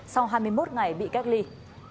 cho hai mươi một ngày bị cách ly